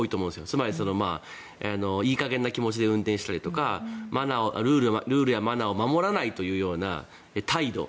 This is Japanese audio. つまり、いい加減な気持ちで運転していたりとかマナーやルールを守らないというような態度。